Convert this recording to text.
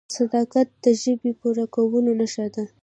• صداقت د ژمنې پوره کولو نښه ده.